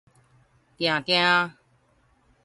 定定